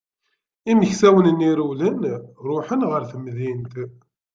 Imeksawen-nni rewlen, ṛuḥen ɣer temdint.